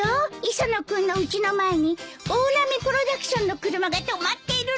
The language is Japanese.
磯野君のうちの前に大波プロダクションの車が止まっているの。